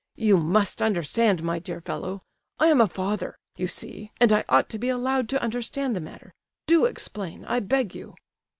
You must understand, my dear fellow; I am a father, you see, and I ought to be allowed to understand the matter—do explain, I beg you!"